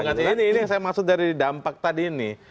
nah ini yang saya maksud dari dampak tadi ini